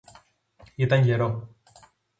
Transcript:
Ήταν γερό